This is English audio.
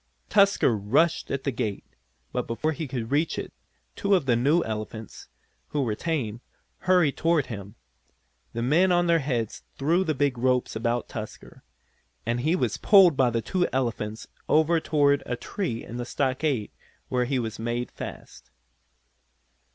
Tusker rushed at the gate, but before he could reach it two of the new elephants, who were tame, hurried toward him. The men on their heads threw the big ropes about Tusker, and he was pulled by the two elephants over toward a tree in the stockade, where he was made fast.